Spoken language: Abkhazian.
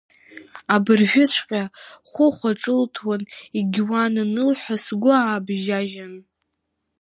Абыржәыҵәҟьа Хәыхәа ҿылҭуан-егьиуан анылҳәа, сгәы аабжьажьан…